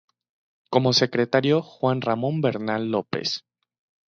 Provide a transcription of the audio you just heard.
Como secretario, Juan Ramón Bernal López.